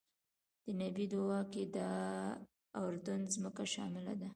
د نبی دعا کې د اردن ځمکه شامله ده.